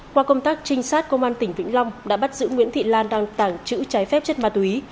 qua công tác trinh sát công an tỉnh vĩnh long đã bắt giữ nguyễn thị lan đang tàng trữ trái phép chất ma túy